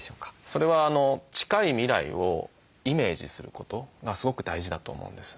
それは近い未来をイメージすることがすごく大事だと思うんです。